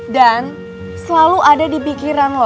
dan selalu ada di pikiran lo